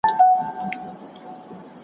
په ارغوان به ښکلي سي غیږي .